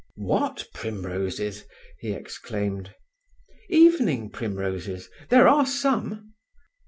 "What primroses?" he exclaimed. "Evening primroses—there are some."